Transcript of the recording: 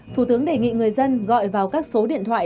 thủ tướng đề nghị người dân gọi vào các số điện thoại